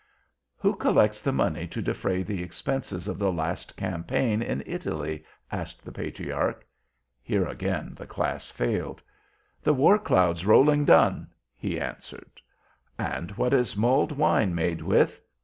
"Who collects the money to defray the expenses of the last campaign in Italy?" asked the Patriarch. Here again the Class failed. "The war cloud's rolling Dun," he answered. "And what is mulled wine made with?"